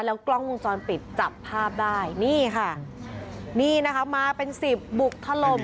กล้องวงจรปิดจับภาพได้นี่ค่ะนี่นะคะมาเป็นสิบบุกถล่ม